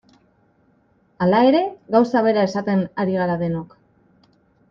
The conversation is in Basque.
Hala ere, gauza bera esaten ari gara denok.